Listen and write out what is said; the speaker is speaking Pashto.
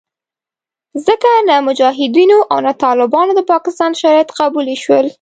ځکه نه مجاهدینو او نه طالبانو د پاکستان شرایط قبلولې شول